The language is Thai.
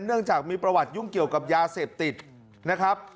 เนื่องจากมีประวัติยุ่งเกี่ยวกับยาเสพติดนะครับ